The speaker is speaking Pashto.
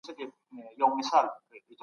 سیال هیواد هوایي حریم نه بندوي.